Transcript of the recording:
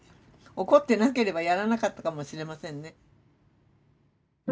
怒ってなければやらなかったかもしれませんね。